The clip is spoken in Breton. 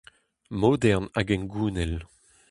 Modern hag hengounel.